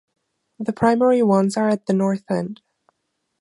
The primary ones are at the north end.